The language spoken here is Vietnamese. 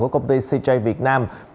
của công ty cj việt nam